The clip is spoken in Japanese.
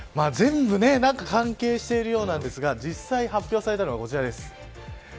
全部関係しているようなんですが実際に発表されたのはこちらです。